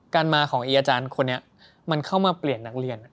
การมาของอีอาจารย์คนนี้มันเข้ามาเปลี่ยนนักเรียน